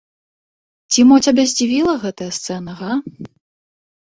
Ці мо цябе здзівіла гэтая сцэна, га?